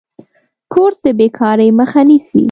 کورس د بیکارۍ مخه نیسي.